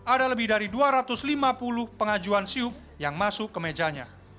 ada lebih dari dua ratus lima puluh pengajuan siup yang masuk ke mejanya